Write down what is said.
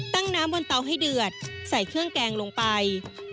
น้ำบนเตาให้เดือดใส่เครื่องแกงลงไป